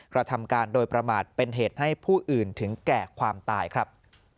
กระทำการโดยประมาทเป็นเหตุให้ผู้อื่นถึงแก่ความตายครับ